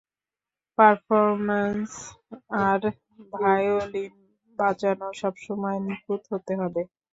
Performance, আর violin বাজানো সবসময় নিখুঁত হতে হবে।